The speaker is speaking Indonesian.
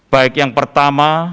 baik yang pertama